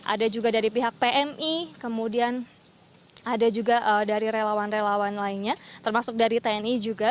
ada juga dari pihak pmi kemudian ada juga dari relawan relawan lainnya termasuk dari tni juga